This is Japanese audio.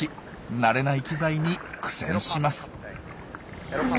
慣れない機材に苦戦します。